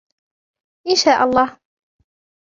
إن شاء الله!